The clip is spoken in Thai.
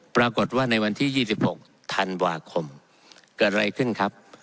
ปรากฏว่าในวันที่๒๖ธันวาคมเกิดอะไรขึ้นครับ